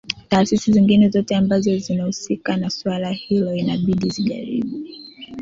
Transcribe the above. taasisi zingine zote ambazo zinahusika na swala hilo inabidi zijaribu